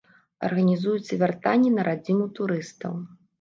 Арганізуецца вяртанне на радзіму турыстаў.